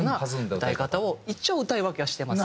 歌い方を一応歌い分けはしてます。